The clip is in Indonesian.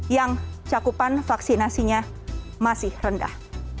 yang cakupan vaksinasinya masih rendah